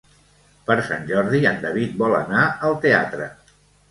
Per Sant Jordi en David vol anar al teatre.